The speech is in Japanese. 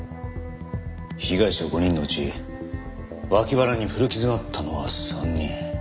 被害者５人のうち脇腹に古傷があったのは３人。